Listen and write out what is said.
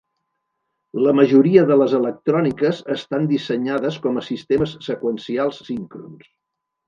La majoria de les electròniques estan dissenyades com a sistemes seqüencials síncrons.